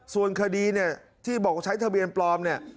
ส่วนคดีเนี่ยที่บอกว่าใช้ทะเบียนปลอมเนี่ย